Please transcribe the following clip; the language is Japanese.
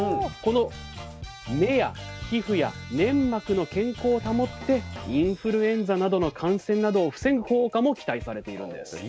この目や皮膚や粘膜の健康を保ってインフルエンザなどの感染などを防ぐ効果も期待されているんです。